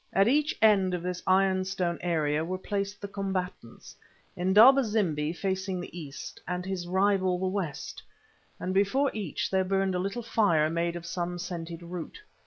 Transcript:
At each end of this iron stone area were placed the combatants, Indaba zimbi facing the east, and his rival the west, and before each there burned a little fire made of some scented root.